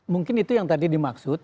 mungkin itu yang tadi dimaksud